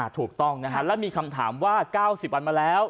ถูกต้องนะฮะแล้วมีคำถามว่า๙๐วันมาแล้ว